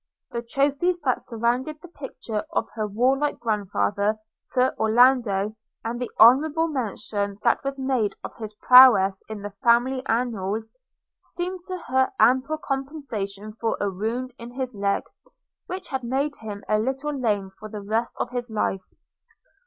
The trophies that surrounded the picture of her warlike grandfather Sir Orlando, and the honourable mention that was made of his prowess in the family annals, seemed to her ample compensation for a wound in his leg, which had made him a little lame for the rest of his life.